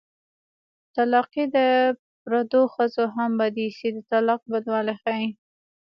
طلاقي د پردو ښځو هم بد ايسي د طلاق بدوالی ښيي